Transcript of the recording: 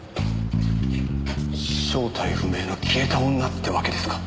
正体不明の消えた女ってわけですか？